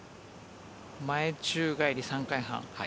前宙返り３回半。